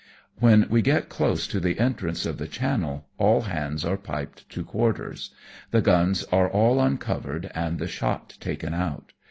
When we get close to the entrance of the channel all hands are piped to quarters. The guns are all uncovered and the shot taken out.